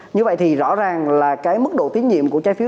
như vậy thì rõ ràng là cái mức độ tiến nhiệm của trái phiếu